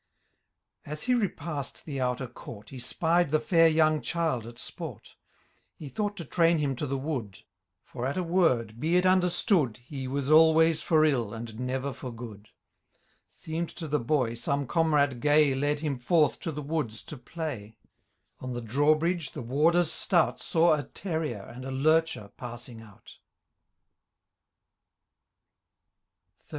As he repassed the outer court. He spied the fiur young child at sport : He thought to tmin him to the wood ; For, at a word, be it understood. He was always for ill, and never for good. Seem*d to the boy, some comrade gay Led him forth to the woods to play ; On the drawbridge the warden stout Saw a terrier and lurcher passing out J See Appendix. Note 2 E « Mj gic.